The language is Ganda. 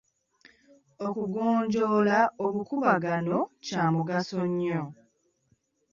Okugonjoola obukuubagano kya mugaso nnyo.